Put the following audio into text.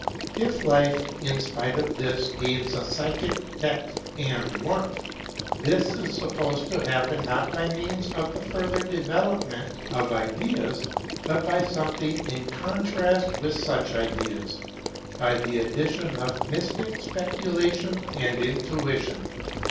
If Life, in spite of this, gains a psychic depth and warmth, this is supposed to happen not by means of the further development of ideas but by something in contrast with such ideas by the addition of mystic specu lation and intuition.